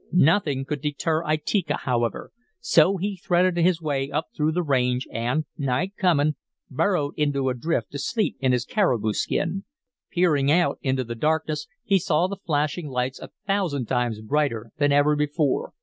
"Nothing could deter Itika, however, so he threaded his way up through the range and, night coming, burrowed into a drift to sleep in his caribou skin. Peering out into the darkness, he saw the flashing lights a thousand times brighter than ever before.